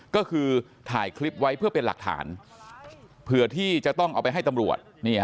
ก็คือถ่ายคลิปไว้เพื่อเป็นหลักฐานเผื่อที่จะต้องเอาไปให้ตำรวจ